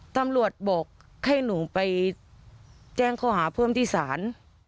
ตำรวจบอกให้หนูไปแจ้งข้อหาเพิ่มที่ศาล